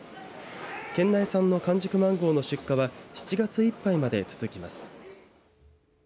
県内産の完熟マンゴーの出荷は７月いっぱいまで続きます。